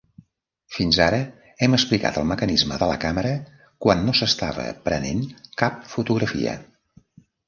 Fins ara hem explicat el mecanisme de la càmera quan no s'estava prenent cap fotografia.